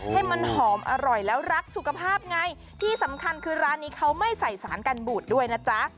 ให้มันหอมอร่อยแล้วรักสุขภาพไงที่สำคัญคือร้านนี้เขาไม่ใส่สารกันบูดด้วยนะจ๊ะ